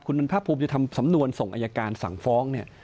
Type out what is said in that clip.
คุณพักภูมิจะทำสำนวนส่งอายการสั่งฟ้อง